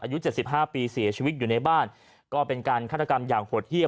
อายุ๗๕ปีเสียชีวิตอยู่ในบ้านก็เป็นการฆาตกรรมอย่างโหดเยี่ยม